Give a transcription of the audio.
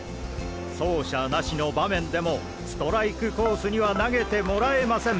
走者なしの場面でもストライクコースには投げてもらえません！